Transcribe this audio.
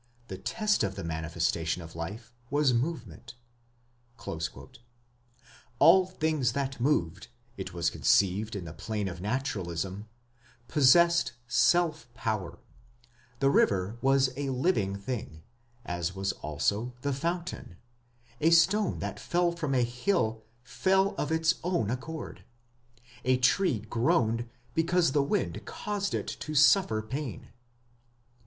The test of the manifestation of life was movement." All things that moved, it was conceived in the plane of Naturalism, possessed "self power"; the river was a living thing, as was also the fountain; a stone that fell from a hill fell of its own accord; a tree groaned because the wind caused it to suffer pain.